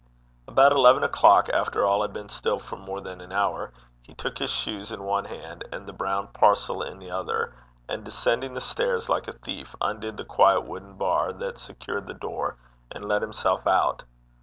About eleven o'clock, after all had been still for more than an hour, he took his shoes in one hand and the brown parcel in the other, and descending the stairs like a thief, undid the quiet wooden bar that secured the door, and let himself out.